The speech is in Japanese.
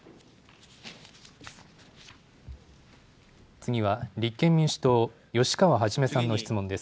次は、立憲民主党、吉川元さんの質問です。